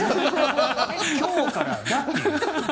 今日からだっていう。